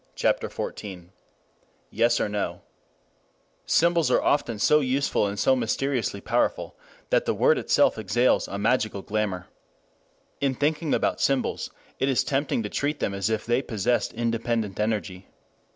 CHAPTER XIV YES OR NO 1 Symbols are often so useful and so mysteriously powerful that the word itself exhales a magical glamor. In thinking about symbols it is tempting to treat them as if they possessed independent energy.